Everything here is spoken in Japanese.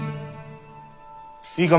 いいか？